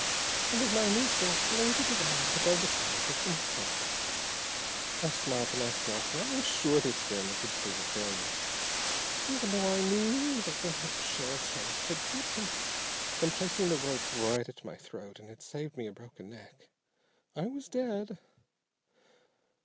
And as my new self floated around above the scientist and his helper I smiled to myself, for I was sure the experiment would prove a failure, even though I now knew that the sheriff's haste had kept him from placing the rope right at my throat and had saved me a broken neck. I was dead.